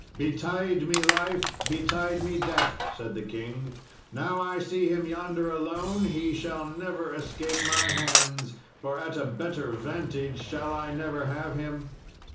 "Betide me life, betide me death," said the king; "now I see him yonder alone, he shall never escape my hands, for at a better vantage shall I never have him."